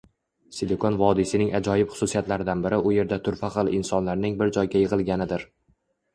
Silikon vodiysining ajoyib xususiyatlaridan biri u yerda turfa xil insonlarning bir joyga yigʻilganidir.